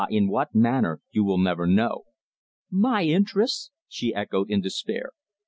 in what manner you will never know." "My interests!" she echoed, in despair.